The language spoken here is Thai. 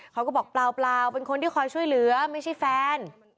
เขาก็บอกเปล่าเป็นคนที่คอยช่วยเหลือไม่ใช่แฟน